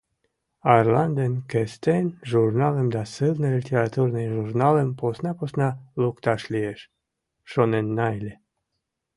«Арлан ден Кестен» журналым да сылне литературный журналым посна-посна лукташ лиеш, шоненна ыле.